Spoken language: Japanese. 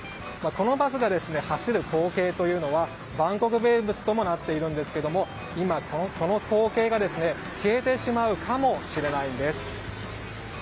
このバスが走る光景というのはバンコク名物となっていますがその後継が消えてしまうかもしれないんです。